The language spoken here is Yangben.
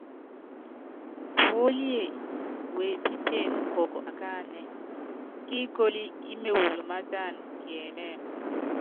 Puólíé wepípíene kɔɔkɔ akánɛ kíikóló ímewulu mátána, kiɛmɛ́mɛ.